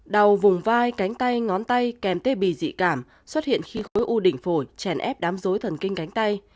đau vùng vai cánh tay ngón tay kèm tê bì dị cảm xuất hiện khi khối u đỉnh phổi chèn ép đám dối thần kinh cánh tay